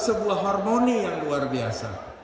sebuah harmoni yang luar biasa